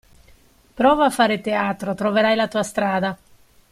Prova a fare teatro troverai la tua strada!